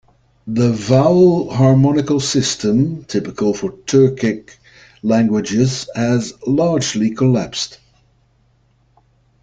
The vowel harmonical system, typical of Turkic languages, has largely collapsed.